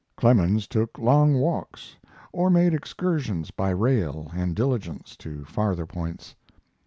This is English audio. Clemens took long walks, or made excursions by rail and diligence to farther points.